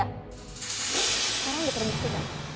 sekarang gue terbisik ya